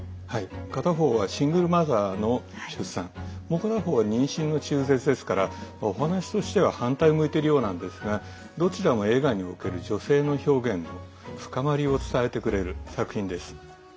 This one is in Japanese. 片方はシングルマザーの出産もう片方は妊娠の中絶ですからお話としては反対を向いているようなんですがどちらも映画における女性の表現の深まりを伝えてくれる作品です。